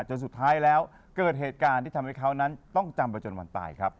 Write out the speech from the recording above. จนสุดท้ายแล้วเกิดเหตุการณ์ที่ทำให้เขานั้นต้องจำไปจนวันตายครับ